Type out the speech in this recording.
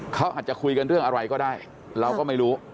เขาอาจจะคุยกันเรื่องอะไรก็ได้เราก็ไม่รู้